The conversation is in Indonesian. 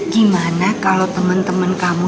gimana kalo temen temen kamu